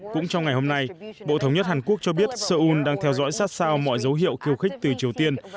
cũng trong ngày hôm nay bộ thống nhất hàn quốc cho biết seoul đang theo dõi sát sao mọi dấu hiệu khiêu khích từ triều tiên